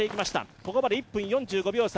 ここまで１分４５秒差。